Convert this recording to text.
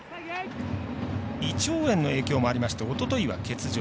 胃腸炎の影響もありましておとといは欠場。